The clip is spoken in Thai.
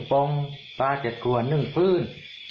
ป้องปลาเจ็ดกลัวนึงพื้น